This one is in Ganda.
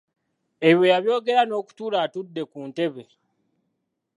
Ebyo yabyogera n’okutuula atudde ku ntebe.